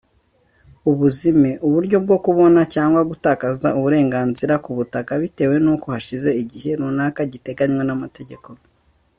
Ubuzime: uburyo bwo kubona cyangwa gutakaza uburenganzira ku butaka bitewe n’uko hashize igihe runaka giteganywa n’amategeko;